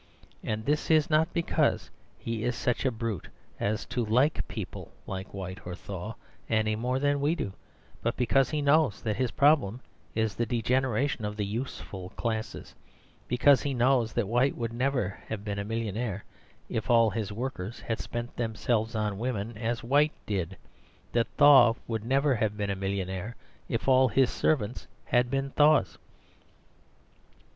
And this not because he is such a brute as to like people like White or Thaw any more than we do, but because he knows that his problem is the degeneration of the useful classes; because he knows that White would never have been a millionaire if all his workers had spent themselves on women as White did, that Thaw would never have been a millionaire if all his servants had been Thaws.